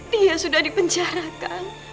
dia sudah dipenjarakan